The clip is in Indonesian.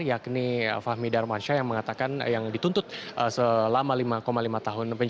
yakni fahmi darmansyah yang mengatakan yang dituntut selama lima lima tahun